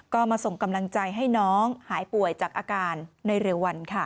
ก็มาส่งกำลังใจให้น้องหายป่วยจากอาการในเร็ววันค่ะ